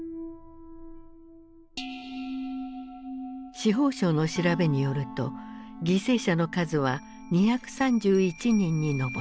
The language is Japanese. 司法省の調べによると犠牲者の数は２３１人に上った。